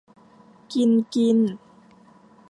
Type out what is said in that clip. กินกิน